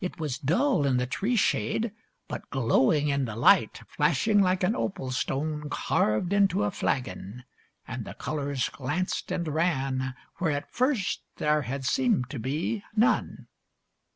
It was dull in the tree shade, but glowing in the light; Flashing like an opal stone, Carved into a flagon; and the colours glanced and ran, Where at first there had seemed to be none.